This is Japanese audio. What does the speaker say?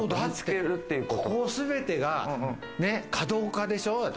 ここ、全てが華道家でしょ。